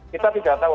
kita tidak tahu